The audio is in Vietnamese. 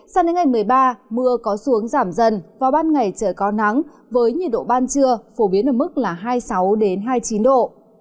sang đến ngày một mươi ba mưa có xu hướng giảm dần vào ban ngày trời có nắng với nhiệt độ ban trưa phổ biến ở mức hai mươi sáu đến hai mươi chín độ